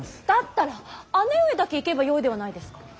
だったら姉上だけ行けばよいではないですか。